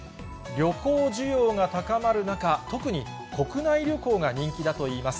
旅行需要が高まる中、特に、国内旅行が人気だといいます。